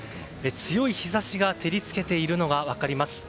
強い日差しが照り付けているのが分かります。